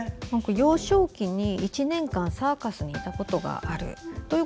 幼少期に１年間サーカスにいたことがあると。